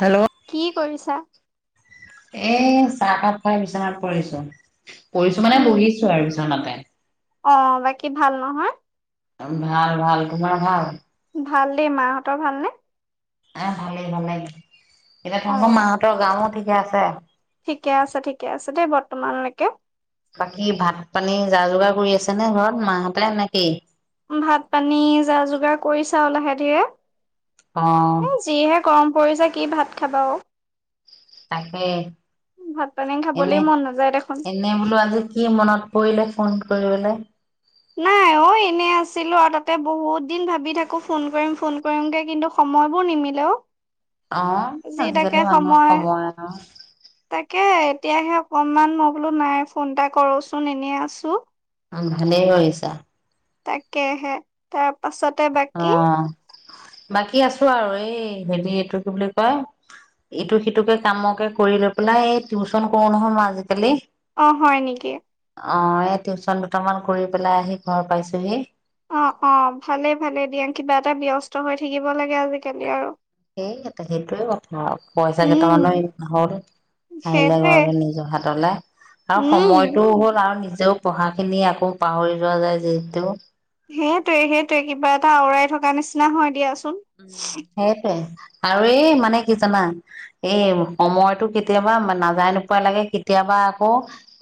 Hello কি কৰিছা এ চাহকাপ খাই বিচনাত পৰিছো পঢ়িছো মানে উম, বহিছো আৰু বিচনাতে অ বাকী ভাল নহয় ভাল ভাল তোমাৰ ভাল ভাল দেই মাহঁতৰ ভালনে আহ ভালেই ভালেই এতিয়া অ তোমালোকৰ মাহতৰ গাঁৱত ঠিকে আছে ঠিকে আছে ঠিকে আছে দেই বৰ্তমানলৈকে বাকী ভাত পানী যা যোগাৰ কৰি আছে নে ঘৰত মাহঁতে নেকি? ভাত পানী যা যোগাৰ কৰিছা লাহে ধীৰে। অ', এ যিহে গৰম পৰি য কি ভাত খাবা অঔ', তাকে। পানী খাবলৈ এনে- মন নাযায় দেখোন। এনে বোলো আজি কি মনত পৰিলে ফোনটো কৰিবনে? নাই অ', এনে আছিলো আৰু তাতে বহুত দিন ভাবি থাকো ফোন কৰিম -ফোন কৰিমগে কিন্তু সময়বোৰ নিমিলে অ ', আহ', আজিকালি মানুহক সময় আৰু তাকে এতিয়াহে অকনমান মই বোলো নাই ফোন এটা কৰচোন এনে আছো। উম ', ভালে কৰিছা। তাকেহে তা পাছতে অ বাকী বাকী আছো আৰু এই হেৰি এইটো কি বুলি কয় ইটো সিটোকে কামকে কৰি লৈ পেলাই এই টিউচন কৰো নহয় মই আজিকালি। অ ', হয় নেকি? অ ', এই টিউশচন দুটামান কৰি পেলাই আহি ঘৰ পাইছোহি। অ', - অ', ভালে- ভালে দিয়া কিবা এটা ব্যস্ত হৈ থাকিব লাগে আজিকালি আৰু সেই সেইটোয়ে কথা আৰু পইচা উম কেইটামানো হল আহিলে সেইটোৱে ঘৰলৈ নিজৰ হাতলৈ আৰু উম সময়টো হ'ল আৰু তেও পঢ়াখিনি আকৌ পাহৰি যোৱা যায় যিহেতু সেইটোৱে -সেইটোৱে কিবা এটা আওৱাই থকা থ নিচিনা হয় দিয়া। উম', সেইটোৱে। আৰু এই মানে কি জানা এই সময়তটো কেতিয়াবা নাযায় নোপোৱা লাগে, কেতিয়াবা আকৌ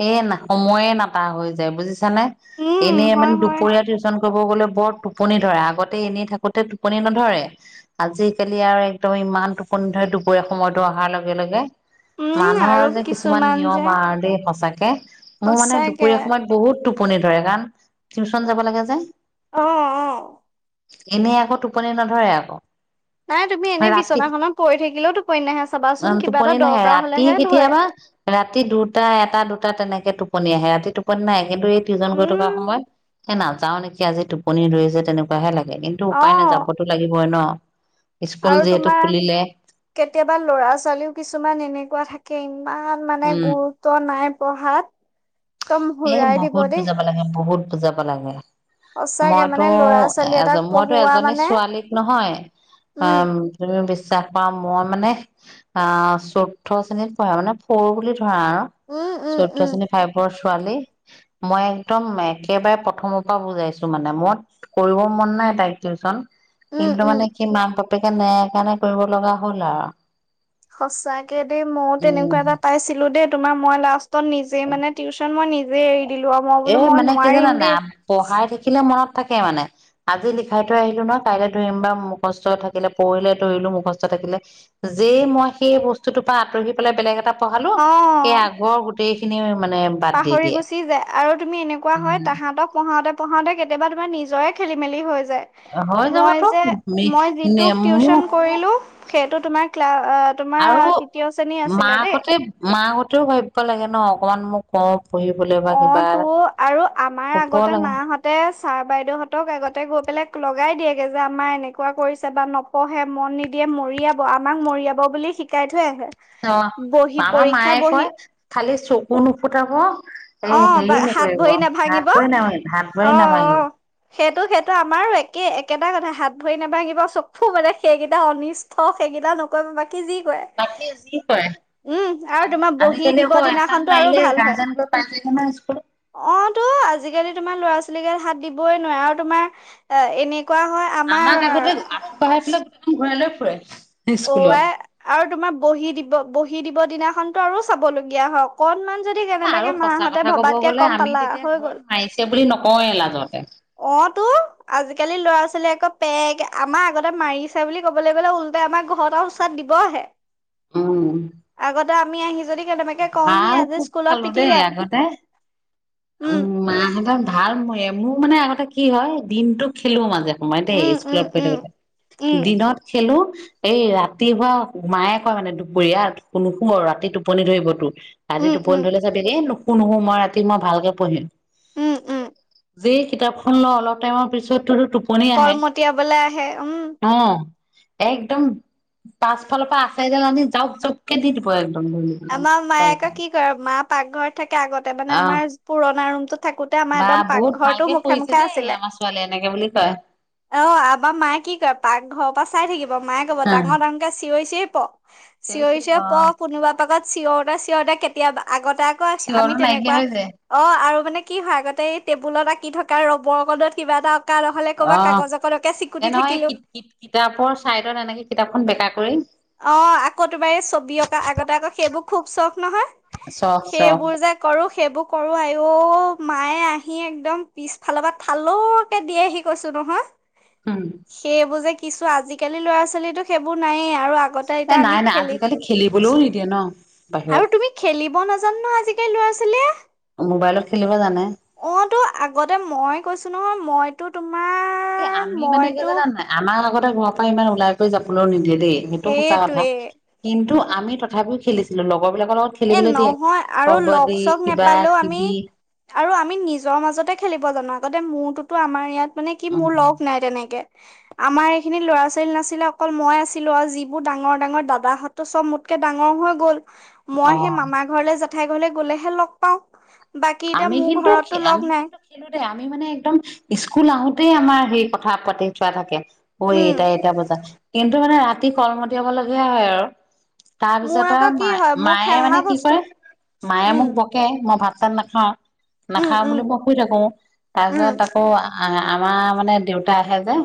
এই সময়ে না টা হৈ যায় বুজিছা নাই উম এনেই হয় মানে হয় দুপৰীয়া টিউশন ক'ব গ'লে বৰ টোপনি ধৰে আগতে এনেই থাকোতে টোপনি নধৰে। আজিকালি আৰু একদম ইমান টোপনি ধৰে দুপৰীয়া সময়তো অহাৰ লগে- লগে। উম আৰু মানুহৰ যে কিছুমান যে নিয়ম আৰু দ সঁচাকে কে', মোৰ মানে সঁচাকে দুপৰীয়া সময়ত বহুত টোপনি ধৰে কাৰণ টিউচন যাব লাগে যে অ', - অ', এনেই আকৌ টোপনি নধৰে আকৌ নাই তুমি এনেই ৰাতি বিচনাখনত পৰি থাকিলেও টোপনি নাহে চাবাচোন কিবা এটা টোপনি নাহে, দৰকাৰ ৰাতি হলেহে ধৰে কেতিয়াবা ৰাতি দুটা এটা দুটা তেনেকে টোপনি আহে ৰাতি টোপনি নাই? এইটো টিজন গৈ থকা উম সময়ত এ', নাযাও নেকি আজি টোপনি ধৰিছে তেনেকোৱাহে লাগে কিন্তু অ উপায় নাযাবতো লাগিব। হয় নঃ আৰু তোমাৰ কেতিয়াবা লৰা -ছোৱালীও কিছুমান এনে কোৱা থাকে ইম', ইমান মানে উম গুৰুত্ব নাই। পহাত। এ', বহুত বুজাব লাগে বহুত। যাব লাগে। সঁচাকে মানে মইতো ল'ৰা ছোৱালী এটাক এজন, মইতো পঢ়োৱা এজনী মানে ছোৱালীক নহয় উম অ', তুমি বিশ্বাস পাওঁ। মই মানে অ', চৈধ্য শ্ৰেণীত পঢ়া মানে ফৰ বুলি ধৰা আৰু উম উম চৈধ্য উম শ্ৰেণী ফাই ছোৱালী, মই একদম একেবাৰে প্ৰথমৰ পৰা বুজাইছো মানে, মত কৰিব মন নাই তাইক টিউচন। উম কিন্তু উম মানে কিমান পা বাপেকে নাই হেই কাৰণে কৰিব লগা হ'ল আৰু। সঁচাকে দেই মইো তেনেকুৱা উম এটা পাইছিলো দেই, তোমাৰ মই লাষ্ট, ত', নিজে মানে টিউচন মই নিজে ৰেইড এ', মানে কি জানা নাই, পঢ়াই থাকিলে মনত তাকেই মানে আজি লিখাই থৈ আহিলো নহ', কাইলৈ ধৰিম বা মুখস্থ থাকিলে পৰিলে, ধৰিলো, মুখস্থ থাকিলে, যেই মই সেই বস্তুটোৰ পৰা আঁতৰি পেলাই বেলেগ এটা পঢ়ালো সেই অ আগৰ গোটেই খিনি। মানে বাদ দি পাহৰি দিয়ে। গুচি যায় আৰু তুমি এনেকুৱা হয়, উম তাহাঁতক প পঢ়াওঁতে পঢ়াওঁতে কেতিয়াবা তোমাৰ নিজৰে খেল-মেলি হৈ যায়। যে', হৈ মই যাবতো যে', মই যিটোক মোৰ টিউচন কৰিলো সেইটো তোমাৰ ক্লাব। আৰু দেই মাকঁহতে-মাকঁহতেও ভাবিব লাগে ন', অকমান মোক অ', অ', তো আৰু আমাৰ শুব আগতে লাগে মাহঁতে ছাৰ বাইদেউহঁতক আগতে গৈ পেলাই লগাই দিয়েগৈ যে আমাৰ এনেকুৱা কৰিছে বা নপঢ়ে মন নিদিয়ে মৰিয়াব, আমাক মৰিয়াব বুলি শিকাই থৈ আহে। অ', বহি আমাৰ পৰীক্ষা মায়ে বহি কয় খালি চকু নুফুটাব, এ অ', বা হেৰি হাত নকৰিব ভৰি হাত নাভাঙিব ভৰি নাভাঙিব হাত ভৰি নাভাঙিব অ', -', সেইটো- সেইটো আমাৰ একে-একেটা কথা হাত ভৰি নভাঙিব চকু মানে সেইকেইটা অনিষ্ট সেইকেইটা নকৰিব বাকী কি ', যি ', কৰে বাকী যি কৰে উম', আৰু তোমাৰ বহি আজিকালি দিব আকৌ এচাত দিনাখনতো আৰু মাৰিলে ভাল হয়। গাৰ্জেন গৈ পাই যায়গে নহয় স্কুলত অ তো আজিকালি তোমাৰ লৰা ল ছালী গাল হাত দিবই নোৱাৰে আৰু তোমাৰ এ এনে আমাক আগতে আঁঠু কঢ়াই পেলাই গোটেইখন ঘৰাই লৈ ফুৰে ফুৱে [unintelligible] ৱ আৰু তোমাৰ বহি দিব বহি দিব দিনাখনতো আৰু চাবলগীয়া হয় অকনমান যদি আৰু কেনেবাকে সচা মাহঁতে কথা কব ভবাতকে গ'লে কম আমি পালা তেতিয়া হৈ গ'ল ঘৰত মাৰিছে বুলি নকওঁয়ে হয় লাজতে অ তো আজিকালি লৰা ছোৱালীয়ে আকৌ পেক আমাৰ আগতে মাৰিছে বুলি কবলৈ গ'লে উল্টাই আমাৰ ঘৰত আৰু এচাত দিবহে অ আগতে আমি আহি যদি কেনেবাকে কওঁ সি ভাল আজি খুব স্কুলত খালো দেই পিটিলে আগতে উ উম মাহতত ভাল মোৰ মানে আগতে কি হয় দিনতোক খেলো মাজে সময়ে দেই উম উম স্কুলত প উম থাকোতে উম দিনত খেলো এই ৰাতিপুৱা মায়ে কয় মানে দুপৰীয়া নুশু আৰু ৰাতি টোপনি ধৰি ঘতো ৰাতি উম উম টোপনি ধৈলে চাবি নো কোনো সময় ৰাতি মই ভালকে পঢ়িম উম উম যে কিতাপখন লওঁ অলপ টাইমৰ পিছতো কল মতিয়াবলে আহে উম অ একদম পাছ ফালৰ পৰা আচাইডাল আনি যাওক জাওকে দি দিব এক ৰ [unintelligible] আমাৰ মায়ে আকো কি কৰে মা পাকঘৰ থাকে আগতে মানে অহ আমাৰ পুৰণা ৰুমতো থাকোতে আমাৰ বা একদম বহুত পাকঘৰটো মুখে মুখে আছিলে বাই অ আবা মায়ে কি কৰে পাক ঘৰৰ পৰা চাই থাকিব মায়ে কব হা ডাঙৰ ডাঙৰকে চিঞৰি চিঞৰি প চিঞৰিছে চিঞৰি চিঞৰি অ প কোনোবা পাগত চিঞৰ এটা তেতে কেতিয়া আগত এ ত ক আমি চিঞৰটো নাইকিয়া তেনেকুৱা হৈ যায় অ আৰু মানে কি হয় আগতে এই টেবুলত আঁকি থকা ৰবৰ কডত কিবা এটা অঁকা নহ'লে অ ক'ৰবাত কাগজ অকনকে চিকুটি এনেহয় থাকিলো কিতাপৰ চাইডত এনেকে কিতাপখন বেকা কৰি অঁ আকৌ তোবাৰ ছবি অঁকা আগতে আকৌ সেইবোৰ খুব চখ নহয় চখ চখ সেইবোৰ যে কৰোঁ সেইবোৰ কৰো আই অ মায়ে আহি একদম পিছফালৰ পৰা থালওঁ কে দিয়েহি কৈছো নহয় উম সেইবোৰ যে কি কিছু আজিকালি ল'ৰা ছোৱালীতো সেইবোৰ নায়েই আৰু আগতে এ এতিয়া আমি নাই নাই খেলি আজিকালি খেলিবলৈও নিদিয়ে ন বাহিৰত জ আজিকালি লৰাছোৱালিয়ে মোবাইলত খেলিব জানে অ তো আগতে মই কৈছো নহয় মই তুম এ আমি মানে কি জান নাই আমাৰ লগত ত ঘৰ পৰা ই ওলাই যাবলৈ নিদিলে দেই সেইটো সুচা কথা সেইটোৱে কিন্তু আমি তথাপিও খেলিছিলোঁ লগ লগৰ বিলাকৰ লগত এ খেলিবলৈ দিয়ে নহয় আৰু লগ কবাডী চগ কিবা নেপালেও আমি কিবি আৰু আমি নিজৰ মাজতে খেলিব জানো আগতে মূৰটোতো আমাৰ ইয়াত মানে কি উম মোৰ লগ নাই তেনেকে আমাৰ এইখিনি ল'ৰা ছোৱালী নাছিলে অকল মই আছিলো আৰু যিবোৰ ডাঙৰ ডাঙৰ দাদাহতো চব মোতকে ডাঙৰ হৈ গ'ল মই সেই অ মামা ঘৰলে যা ঠাই ঘলৈ গলেহে লগ পাওঁ বাকী এতিয়া আমি মোৰ কিন্তু ঘৰতো লগ আমি নাই কিন্তু খেলোতে আমি মানে একদম স্কুল আহোতেই আমাৰ কি কথা পাতি থোৱা থাকে অ উম এটাই এটা বজা কিন্তু মানে ৰা কলমতিয়াব লগীয়া হয় আৰু মোৰ তাৰপিছত আৰু আকৌ কি মায় হয় মোৰ মায়ে খেলনা মানে কি বস্তু কৰে মায়ে উম মোক বকে মই ভাত ত [unintelligible] হা উম নাখাওঁ উম বুলি মই শুই থাকো তাৰ উম পিছত আকৌ আহ আমাৰ মানে দেউতা আহে যে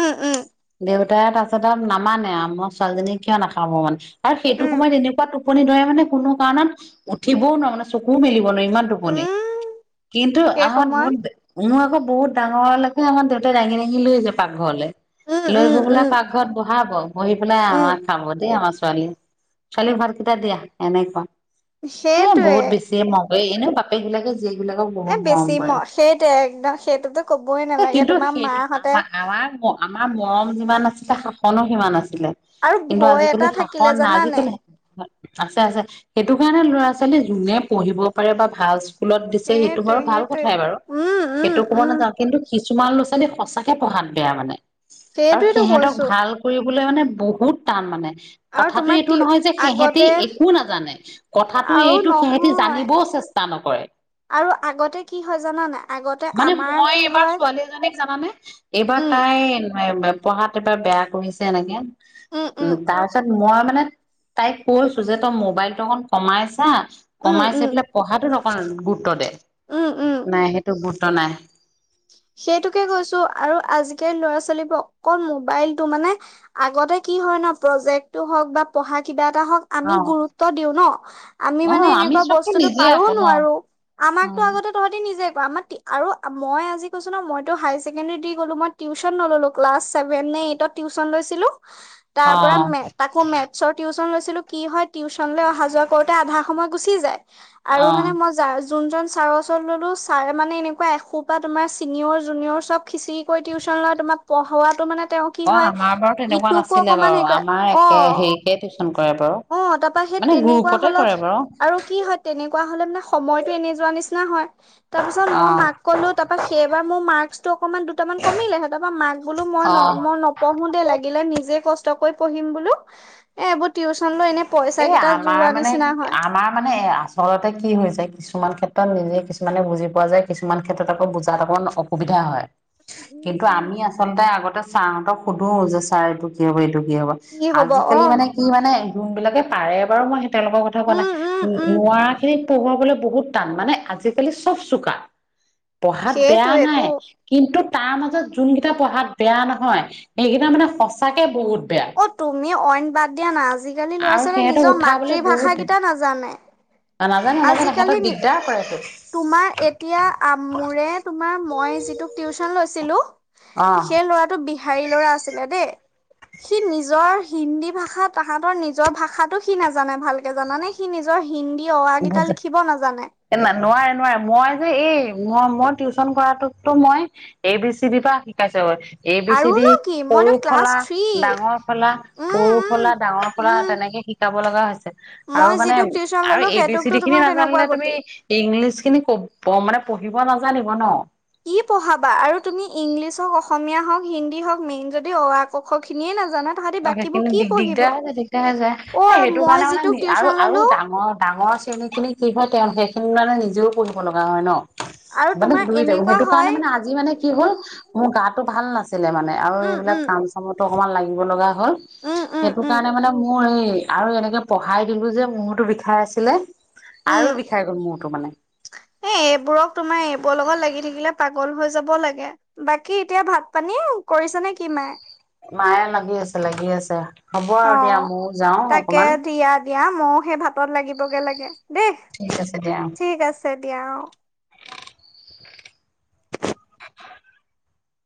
উম উম দেউতাই তাৰািছত নামানে আও ছোৱালীজনীক কিয় নাখাব মানে আৰু সেইটো উম সময়ত এনেকুৱা টোপনি ধৰে মানে কোনো কাৰণত উঠিবও নোৱো মানে চকু মিলিব নোৱাৰো ইমান মনে উম কিন্তু সেই আমাৰ সময়ত মন উ [unintelligible] বহুত ডাঙৰলৈকু মাৰ দেউতাই দাঙি দাঙি লৈ যায় পাকঘৰলৈ উম লৈ উম গৈ পলে উম পাকঘৰত বহাব বহি পেলাই উম আমাক খাব দেই আমাৰ ছোৱালী ছোৱালী ভাত কেইটা দিয়া এনেকুৱা সেইটোৱে হয়নে প এইবিলাকে এ বেছি ম সেইটোৱে একদম সেইটোতো কবই এ নালাগে কিন্তু তোমাৰ সেইটো মাহঁতে আমাৰ আমাৰ আমাৰ মৰম যিমান আছিল শাসনো সিমান আছিল ছিল আৰু কিন্তু ভয় এটা আজিকালি থাকিলে শাসন নাই জানানে আজিকালি আছে আছে সেইটো কাৰণে ল'ৰা ছোৱালী যোনে পঢ়িব পাৰে বা খা ফুলত দিছে সেইটো সেইটোৱে বাৰ ভাল সেইটোৱে কথাই বাৰু উম উম সেইটো ক'ব উম নাযাওঁ কিন্তু তোমাৰ ল'ৰা ছোৱালী সঁচাকে পঢ়াত বেয়া মানে আৰু সেইটোৱেতো সিহঁতক কৈছো ভাল কৰি লে মানে বহুত টান মানে আৰু কথাটো তোমাৰ তি এইটো নহয় যে সেহেতি আগতে একো নাজানে কথাটো আৰু এইটো সিহতি নহয় জানিবও চেষ্টা চেস্তা নকৰে আৰু আগতে কি হয় জানানে আগতে আমাৰ কি হয় জানে এইবাৰ উম তাই পঢ়াত এবাৰ বেয়া কৰিছে এনেকে উম উম তাৰপিছত মই মানে তাইক কৈছো যে তই মোবাইলটো অকন কমাইছা উম উম কমাইছে অকণ গুৰুত্ব দে উম উম নাই সেইটো বুথ ঘটনাই সেইটোকে কৈছো আৰু আজিকালি ল'ৰা ছোৱালীবোৰ অকল মোবাইল টো মানে আগতে কি হয় ন প্ৰজেক্টটো হওক বা পঢ়া কিবা হক অ আমি গুৰুত্ব দিও ন আমি অ মানে আমি এনেকুৱা চবতো বস্তুতো নিজে পাৰোও আকো ন নোৱাৰো আমাকতো উম, আগতে তহঁতি নিজে আমাৰ আৰু মই আজি কৈইছো ন মই হায়ছেকেনডেৰি গলো মইটিউচন নলো ক্লছ ছেভে নে এইটত টউচন লৈছিলো তাৰ অ পৰা তো মেচত টিউশচন লৈছিলোঁ কি হয় টিউচনলৈ অহা যোৱা কৰোঁতে আধা সময় গুচি যায় আৰু অ মানে মই যাওঁ যোনজন ছাৰৰ ওচৰত ললো ছাৰ মানে এনেকুৱা এসোপাত তোমাৰ চিনিয়ৰ জুনিয়ৰ চব খিচৰি কৰি টিউশচন লয় তোমাক পঢ়োৱটো মানে তেওঁ কি অ হয় আমাৰ বাৰু তেনেকুৱা ইটোকো নাছিলে অকমান বাৰু হেৰি কৰে আমাৰ একে অ হেৰিকে টিউশচন অ তাৰপা সেই তেনেকুৱা কৰে হলত বাৰু আৰু কি হয় তেনেকুৱা হলে মানে সময়তটো এনে যোৱা নিচিনা হয় তাৰপিছত অ মই মাক কলো ত সেইবাৰ মোৰ মাক অকমান দুটামান কমিলে সতাৰাপ পৰা মাক বোলো মই অ ন মই নঢ়ো দে লাগিলে নিজে কষ্ট পিছতকে পঢ়িম বোলোঁ এ এইবোৰ টিউচ চন্দ এনে পইচা এ কেইটা আমাৰ যোৱা মানে নিচিনা হয় আমাৰ মানে আচলতে কি হৈ হৈছে কিছুমান ক্ষেত্ৰত নিজ কিছুমানে বুজি পোৱা যায় কিছুমান ক্ষেত্ৰত আকৌ বুজাত অকণ অসুবিধা হয় কিন্তু আমি আচলতে আগতে ছাৰহঁতক সোধো যে ছাৰ এইটো কি হ'ব এইটো হ'ব কি হব অ আজিকালি মানে কি মানে ধবিলাকে পাৰে বাৰু মই তেওঁলোকৰ কথা কোৱা নাই উম উম উম নোৱাৰা খিনিত পঢ়োয়াবলৈ বহুত টান মানে আজিকালি চব চোকা পঢ়াত বেয়া সেইটোৱেটো নাই কিন্তু তাৰ মাজত যোনকেইটা পঢ়াত বেয়া নহয় সেইকেইটা মানে সঁচাকে বহুত বেয়া অ তুমি অইন বাদ দিয়া না আজিকালি ল'ৰা আৰু ছোৱালী সিহঁতক নিজৰ উঠাবলৈ বহুত মাতৃভাষা বেয়া কেইটা নাজানে নাজানো নাজানো আজিকালি সিহঁতক দিগদাৰ কৰেতো তোমাৰ এতিয়া মোৰে তোমাৰ মই যিটো টিউচন লৈছিলো অ সেই ল'ৰাটো বিহাৰী ল'ৰা আছিলে সি নিজৰ হিন্দী ভাষা তাহাঁতৰ নিজৰ ভাষাতটো সি নাজানে ভালকে জানানে সি নিজৰ হিন্দী অৱ বুজ ন নোৱাৰে নোৱাৰে মই যে এই মই মই টিউচন কৰাটোতো মই এ বি চি বি পৰা শিকাইছো এ বি চি আৰু দি নো কি মইতো সৰু ক্লাছ ফলা থ্ৰী ডাঙৰ ফলা উম সৰু ফলা ডাঙৰ উম ফলা উম তেনেকে শিকাব লগা হৈছে মই যিটো টিউচন ললো সেইটো যিখিনি নাজানিলে তুমি ইংলিছ খিনি কব মানে পঢ়িব নাজানিব ন কি পঢ়াবা আৰু তুমি ইংলিছ হওঁক অসমীয়া হওঁক হিন্দী হওঁক মেইন যদি অ আ ক খ খিনিয়ে নাজানা তাহাঁতি অ বাকীবোৰ সেইখিনি কি দি পঢ়িব দিগদাৰ হৈ যায় দিগদাৰ হৈ যায় এই অ সেইটো মই কাৰণে যিটোক মানে আৰু টিউচন আৰু ললো ডাঙৰ ডাঙৰ শ্ৰেণী খিনি কি হয় তেওঁ সেইিন সেইিনি মানে নিজেও পঢ়িব লগা হয় ন আৰু মানে তোমাৰ [unintelligible] এনেকুৱা সেইটো কাৰণে হয় মানে আজি মানে কি হ'ল মোৰ গাত টো ভাল নাছে আছিলে মানে আৰু উম এইবিলাক উম কাম চামতো অকমান লাগিব লগা উম উম সেইটো উম কাৰণে মানে মোক মই এই আৰু এনেকে পঢ়াই দিলো যে মোৰতো বিষাই আছিলে আৰু উম বিষাই গল মোৰটো মানে এইবোৰ লগত লাগি থাকিলে পাগল হৈ যাব লাগে বাকী এতিয়া ভাত পানী কৰিছে নে কি মাই মায়ে লাগি আছে লাগি আছে হ'ব অ আৰু দিয়া ময় যাওঁ তাকে অকণমান দিয়া দিয়া ময়ো সেই ভাতত লাগিবগে লাগে দেই ঠিক আছে দিয়া ঠিক আছে দিয়া অ